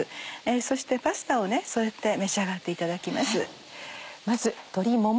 そしてパスタを添えて召し上がっていただきます。